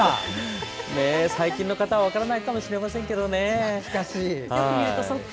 最近の方は分からないかもしれませんけどね。